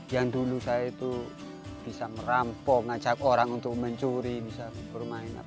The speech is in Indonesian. yang dulu saya itu bisa merampok ngajak orang untuk mencuri bisa bermain